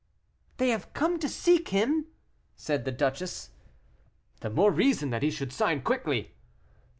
"They have come to seek him," said the duchess. "The more reason that he should sign quickly."